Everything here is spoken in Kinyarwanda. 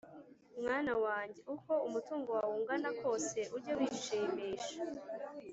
Mwana wanjye, uko umutungo wawe ungana kose, ujye wishimisha,